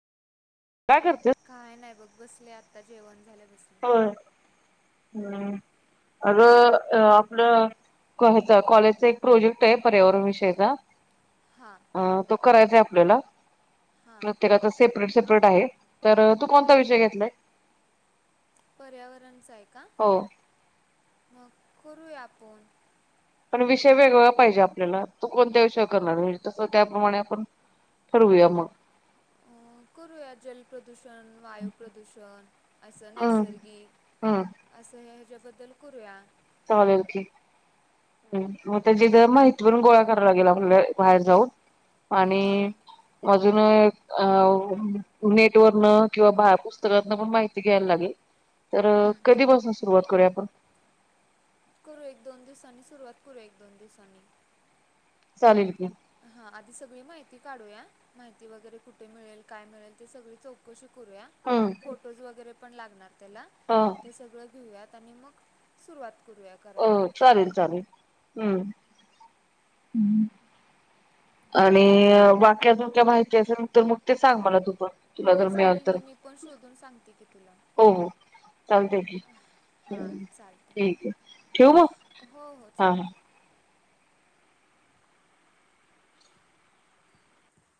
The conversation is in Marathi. काय करतेस? काय नाही बसले आता जेवण झाले. हो हम् अर आपलं का कॉलेज चा एक प्रोजेक्ट आहे. पर्यावरण विषयचा हां अ तो करायचाय आपल्याला हां प्रत्येकाचा सेपरेट सेपरेट आहे. तर तू कोणता विषय घेतलाय. पर्यावरणचं आहे. का हो मग करूया आपण पण विषय वेगवेगळा पाहिजे. आपल्याला तू कोणत्या विषय करणारे तसं त्याप्रमाणे आपण ठरवूया मग अ करूया जलप्रदूषण वायू प्रदूषण असं हम्म हम्म. नैसर्गिक असं ह ह्याच्या बदल करूया. चालेखी ह मग त्याच्या माहितीवरून गोळा करावा लागेल. आपल्या बाहेर जाऊन हां आणि अजून अ नेटवररन किंवा बा पुस्तकातन पण माहिती घ्यायला लागेल. तर हं. कधी बसून सुरुवात करूया. आपण करू एक दोन दिवसांनी सुरुवात करू एक दोन दिवसांनी चालेल की हा आधी सगळी माहिती काढूया माहिती वगैरे कुठे मिळेल काय मिळेल ते सगळी चौकशी करूया हम्म फोटोज वगैरे पण लागणार. त्याला अ ते सगळं घेऊयात. मग सुरुवात करूया हो करायला चालेल चालेल हम्म हम्म आणि वाक्याजोक्या माहिती असेल तर मग ते सांग मला तुम हो चालेल की मी पण शोधून सांगते की तुला हो हो चालतय की हा हम्म, चालत ठीक आहे ठेवू मग हो हो हा हा चालेल.